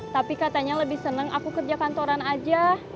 tapi katanya lebih senang aku kerja kantoran aja